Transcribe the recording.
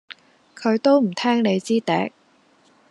佢都唔聽你支笛